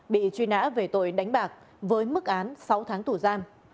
bị truy nã về tội đánh bạc với mức án sáu tháng tù giam